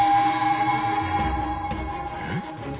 えっ？